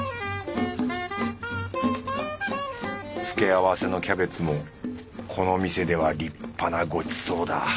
つけ合わせのキャベツもこの店では立派なごちそうだ